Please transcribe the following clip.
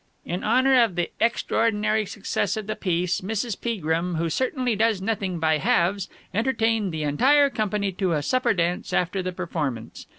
"'In honour of the extraordinary success of the piece, Mrs. Peagrim, who certainly does nothing by halves, entertained the entire company to a supper dance after the performance.